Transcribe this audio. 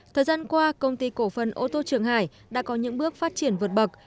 thời gian qua công ty cổ phần ô tô trường hải đã có những bước phát triển vượt bậc